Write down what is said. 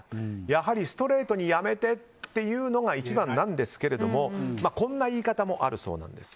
やはりストレートにやめてと言うのが一番なんですがこんな言い方もあるそうなんです。